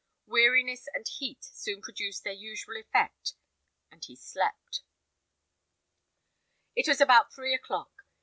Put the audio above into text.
Weariness and heat soon produced their usual effect, and he slept. It was about three o'clock.